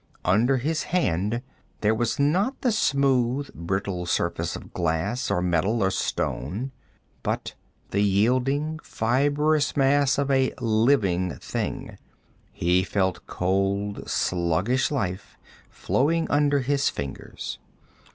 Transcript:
Under his hand there was not the smooth, brittle surface of glass or metal or stone, but the yielding, fibrous mass of a living thing. He felt cold, sluggish life flowing under his fingers.